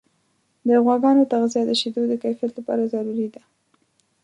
د غواګانو تغذیه د شیدو د کیفیت لپاره ضروري ده.